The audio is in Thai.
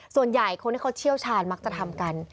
ส่วนใหญ่คนที่เขาเชี่ยวชาญมักจะทำกัน